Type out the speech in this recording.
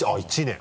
１年。